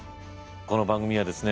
この番組はですね